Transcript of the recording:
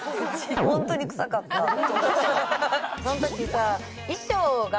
その時さ。